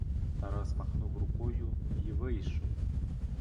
Тарас махнув рукою й вийшов.